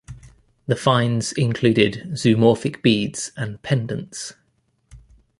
The finds included zoomorphic beads and pendants.